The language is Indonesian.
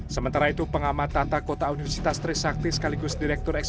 sementara itu pengamat tata kota universitas trisakti sekaligus direktur eksekutif